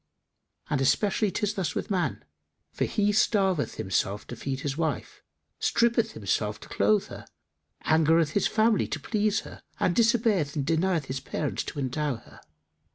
And especially 'tis thus with man; for he starveth himself to feed his wife, strippeth himself to clothe her, angereth his family to please her and disobeyeth and denieth his parents to endow her.